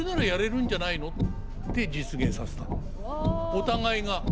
お互いが。